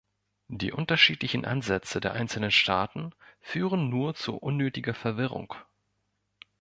Die unterschiedlichen Ansätze der einzelnen Staaten führen nur zu unnötiger Verwirrung.